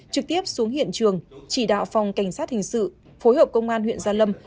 trực tiếp xuống hiện trường chỉ đạo phòng cảnh sát hình sự phối hợp công an huyện gia lâm